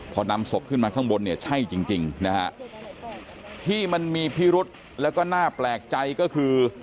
พอนำศพขึ้นมาข้างบนเนี่ยใช่จริงจริงนะฮะที่มันมีพิรุษแล้วก็น่าแปลกใจก็คือ